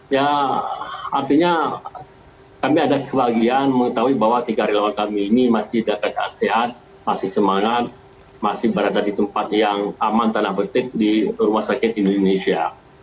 ya artinya kami ada kebahagiaan mengetahui bahwa tiga relawan kami ini masih datang sehat masih semangat masih berada di tempat yang aman tanah bertik di rumah sakit indonesia